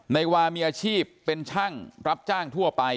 นายวามีอาชีพเป็นช่างรับจ้างทั่วไป